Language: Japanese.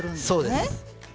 そうです。